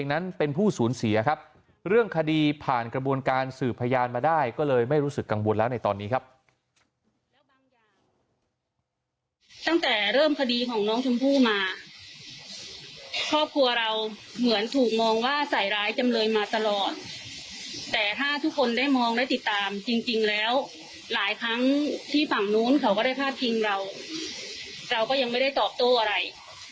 ตั้งแต่เริ่มคดีของน้องชมพู่มาครอบครัวเราเหมือนถูกมองว่าใส่ร้ายจำเลยมาตลอดแต่ถ้าทุกคนได้มองได้ติดตามจริงจริงแล้วหลายครั้งที่ฝั่งโน้นเขาก็ได้พาดพิงเราเราก็ยังไม่ได้ตอบโต้อะไร